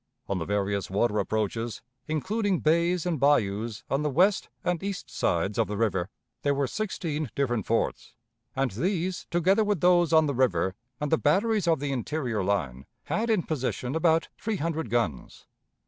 On the various water approaches, including bays and bayous on the west and east sides of the river, there were sixteen different forts, and these, together with those on the river and the batteries of the interior line, had in position about three hundred guns.